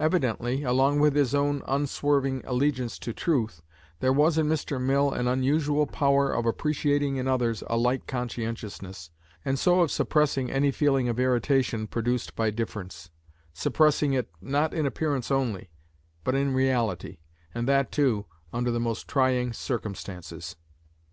Evidently, along with his own unswerving allegiance to truth, there was in Mr. Mill an unusual power of appreciating in others a like conscientiousness, and so of suppressing any feeling of irritation produced by difference, suppressing it, not in appearance only, but in reality, and that, too, under the most trying circumstances.